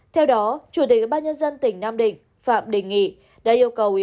theo đó chủ tịch bác nhân dân tỉnh nam định phạm đình nghị đã yêu cầu